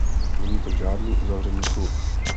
Není to žádný uzavřený klub.